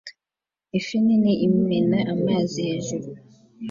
Ifi nini imena amazi hejuru